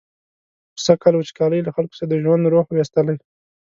خو سږکال وچکالۍ له خلکو د ژوند روح ویستلی.